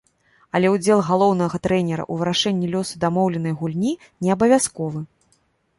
Але ўдзел галоўнага трэнера ў вырашэнні лёсу дамоўленай гульні неабавязковы.